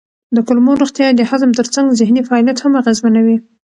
د کولمو روغتیا د هضم ترڅنګ ذهني فعالیت هم اغېزمنوي.